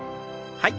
はい。